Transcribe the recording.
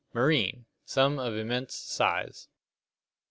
Marine. Some of immense size.